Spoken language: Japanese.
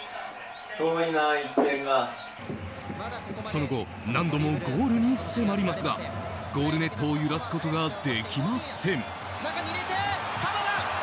その後何度もゴールに迫りますがゴールネットを揺らすことができません。